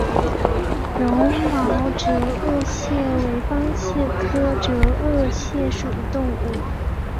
绒毛折颚蟹为方蟹科折颚蟹属的动物。